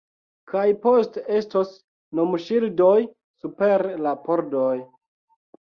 Kaj poste estos nomŝildoj super la pordoj